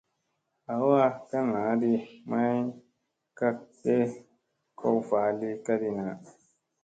Ɦawa ka naa ɗi may kak ge ko vaa li ka di na.